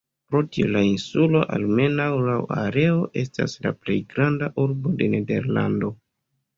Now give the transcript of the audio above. Pro tio la insulo, almenaŭ laŭ areo, estas la "plej granda urbo de Nederlando".